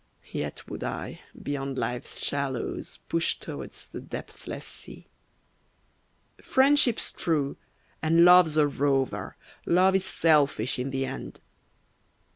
Yet would I, beyond life's shallows, Push towards the depthless sea. Friendship's true, and Love's a rover, Love is selfish in the end.